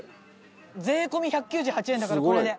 税込み１９８円だからこれで。